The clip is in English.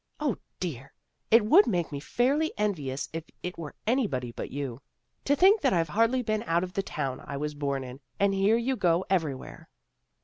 0, dear! It would make me fairly en vious if it were anybody but you. To think that I've hardly been out of the town I was born in, and here you go everywhere."